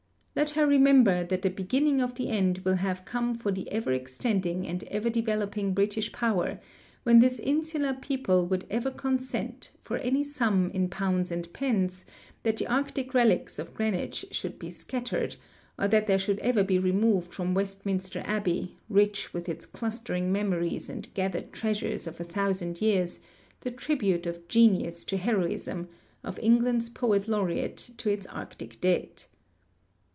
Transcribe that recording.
' Let her remember that the beginning of the end will have come for the ever extending and ever developing British power when this insular people would ever consent, for any sum in pounds and pence, that the Arctic relics of Greenwich should be scattered, or that there should ever be removed from West minster Abl)ey, rich with its clustering memories and gathered treasures of a thousand years, the tribute of genius to heroism, of England's poet laureate to its Arctic dead.